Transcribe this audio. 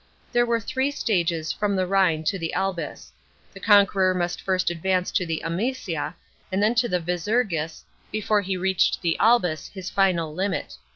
There were three stages from the Rhine to the Albis. The conqueror must first advance to the Amisia, and then to the Visurgis, before he reached the Albis, his final limit.